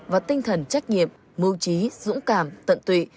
và tinh thần trách nhiệm mưu trí dũng cảm tận tụy